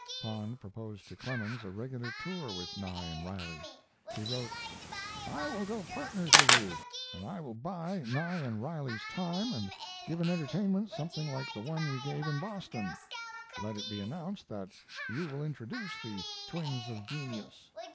Pond proposed to Clemens a regular tour with Nye and Riley. He wrote: I will go partners with you, and I will buy Nye and Riley's time and give an entertainment something like the one we gave in Boston. Let it be announced that you will introduce the "Twins of Genius."